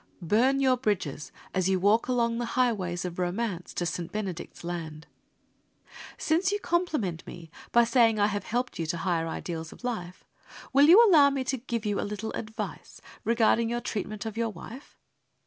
Burn your bridges as you walk along the highways of romance to St. Benedict's land. Since you compliment me by saying I have helped you to higher ideals of life, will you allow me to give you a little advice regarding your treatment of your wife?